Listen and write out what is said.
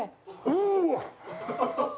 うわっ！